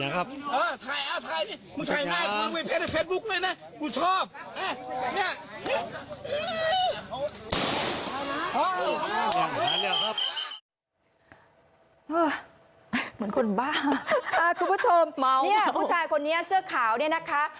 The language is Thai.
เหมือนคนบ้าคุณผู้ชมเงี๊ยบผู้ชายคนนี้เสื้อขาวเนี่ยนะคะ